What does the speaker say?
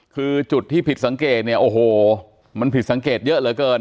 คือจุดที่ผิดสังเกตเนี่ยโอ้โหมันผิดสังเกตเยอะเหลือเกิน